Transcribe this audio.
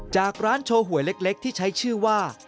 จากร้านโชว์หวยเล็กที่ใช้ชื่อว่า